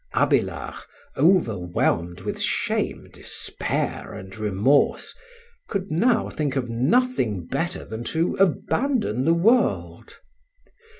Abélard, overwhelmed with shame, despair, and remorse, could now think of nothing better than to abandon the world.